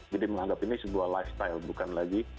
menganggap ini sebuah lifestyle bukan lagi